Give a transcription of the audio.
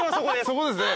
そこですね。